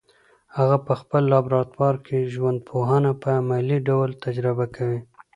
هغه په خپل لابراتوار کي ژوندپوهنه په عملي ډول تجربه کوي.